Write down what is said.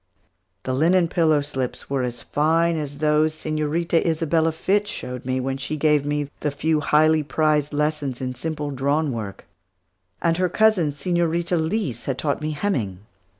The linen pillow slips were as fine as those Señorita Isabella Fitch showed me, when she gave me the few highly prized lessons in simple drawn work; and her cousin, Señorita Leese, had taught me hemming.